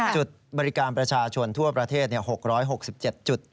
จุดบริการประชาชนทั่วประเทศ๖๖๗จุด